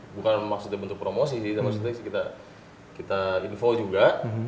bukan maksudnya bentuk promosi sih maksudnya kita info juga